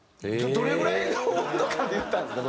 どれぐらいの温度感で言ったんですか？